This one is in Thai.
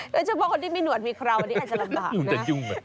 และเฉพาะคนที่มีหนวดมีเครานิใช่อาจจะระบากนะ